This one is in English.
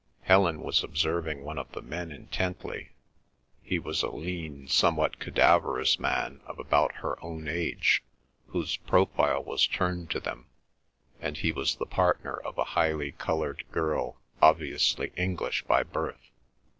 Helen was observing one of the men intently. He was a lean, somewhat cadaverous man of about her own age, whose profile was turned to them, and he was the partner of a highly coloured girl, obviously English by birth.